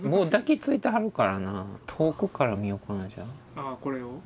ああこれを？